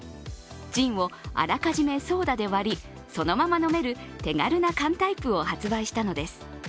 ジンをあらかじめソーダで割りそのまま飲める手軽な缶タイプを発売したのです。